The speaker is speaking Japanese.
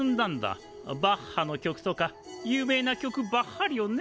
バッハの曲とか有名な曲ばっはりをね。